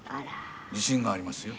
「自信がありますよ」